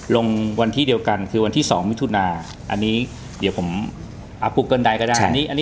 ลงวันที่เดียวกันคือวันที่๒มิถุนาอันนี้เดี๋ยวผมปลูกเกินใดก็ได้